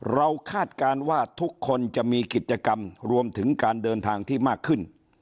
คาดการณ์ว่าทุกคนจะมีกิจกรรมรวมถึงการเดินทางที่มากขึ้น